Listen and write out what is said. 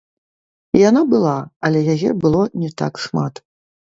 Яна была, але яе было не так шмат.